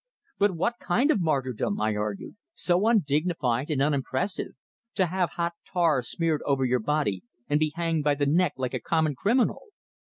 "But what kind of martyrdom!" I argued. "So undignified and unimpressive! To have hot tar smeared over your body, and be hanged by the neck like a common criminal!"